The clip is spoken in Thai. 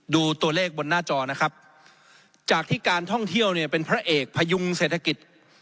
ดูตัวเลขบนหน้าจอนะครับจากที่การท่องเที่ยวเนี่ยเป็นพระเอกพยุงเศรษฐกิจ